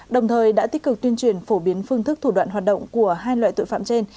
đồng thời đã tích cực tuyên truyền phổ biến phương thức thủ đoạn hoạt động của hai loại tội phạm trên